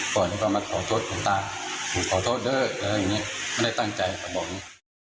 ปล่อยแล้วก็มาขอโทษลูกตาขอโทษเด้ออะไรอย่างนี้ไม่ได้ตั้งใจก็บอกอย่างนี้